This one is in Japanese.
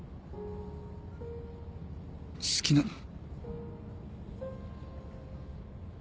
好きなの？